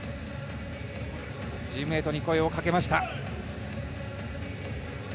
チームメートに声を掛けました。